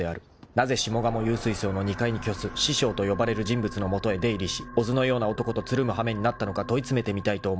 ［なぜ下鴨幽水荘の２階に居す師匠と呼ばれる人物の元へ出入りし小津のような男とつるむ羽目になったのか問い詰めてみたいと思っていた］